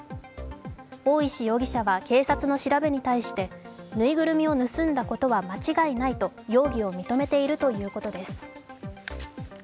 大石容疑者は警察の調べに対してぬいぐるみを盗んだことは間違いないと容疑を認めているということです。